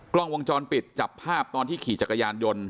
กล้องวงจรปิดจับภาพตอนที่ขี่จักรยานยนต์